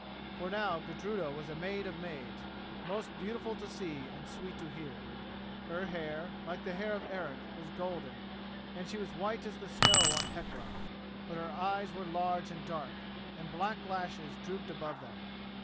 For now Gudruda was a maid of maids, most beautiful to see and sweet to hear. Her hair, like the hair of Eric, was golden, and she was white as the snow on Hecla; but her eyes were large and dark, and black lashes drooped above them.